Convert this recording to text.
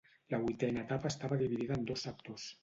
La vuitena etapa estava dividida en dos sectors.